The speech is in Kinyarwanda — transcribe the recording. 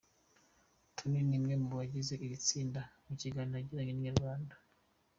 Tino ni umwe mu bagize iri tsinda, mu kiganiro yagiranye na inyarwanda.